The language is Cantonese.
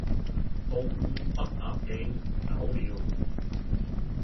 老五不答應，走了；